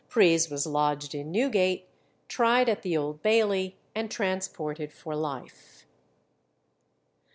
Pries was lodged in Newgate, tried at the Old Bailey, and transported for life.